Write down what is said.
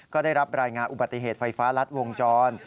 ก็ได้รับรายงานอุบัติเหตุไฟฟ้ารัดวงจร